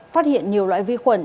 phát hiện nhiều loại vi khuẩn